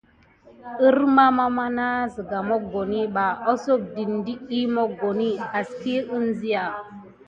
Kurmama siga mokoni ba asoh dite diki aka mokoni vas ki bana ansiga.